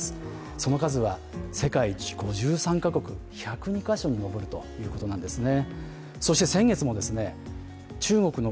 その数は世界５３か国、１０２か所に上るということなんですね。